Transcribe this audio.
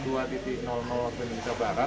di indonesia barat